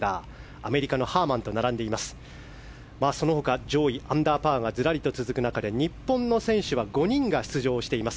アメリカのハーマンそのほか上位、アンダーパーがずらりと続く中で日本の選手は５人が出場しています。